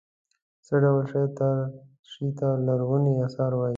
څه ډول شي ته لرغوني اثار وايي.